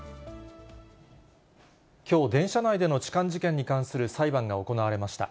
きょう、電車内での痴漢事件に関する裁判が行われました。